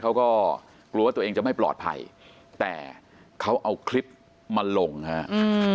เขาก็กลัวว่าตัวเองจะไม่ปลอดภัยแต่เขาเอาคลิปมาลงฮะอืม